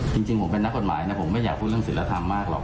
จริงผมเป็นนักกฎหมายนะผมไม่อยากพูดเรื่องศิลธรรมมากหรอก